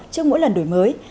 trước mỗi lần đổi mới